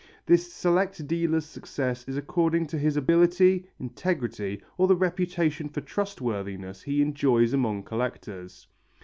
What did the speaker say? This select dealer's success is according to his ability, integrity or the reputation for trustworthiness he enjoys among collectors.